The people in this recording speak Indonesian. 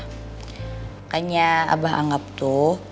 makanya abah anggap tuh